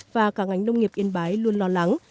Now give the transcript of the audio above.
và cả ngành nông nghiệp yên bái luôn lo lắng